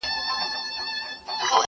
دا فاني دنیا تیریږي بیا به وکړی ارمانونه٫